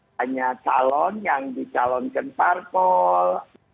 hanya calon yang dicalonkan parpol